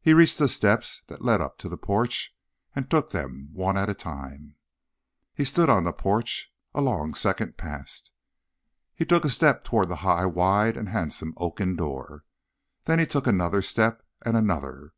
He reached the steps that led up to the porch, and took them one at a time. He stood on the porch. A long second passed. He took a step toward the high, wide and handsome oaken door. Then he took another step, and another.